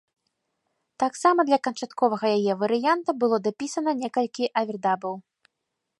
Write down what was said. Таксама для канчатковага яе варыянта было дапісана некалькі авердабаў.